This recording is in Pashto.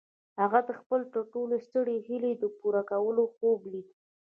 هغه د خپلې تر ټولو سترې هيلې د پوره کولو خوب ليده.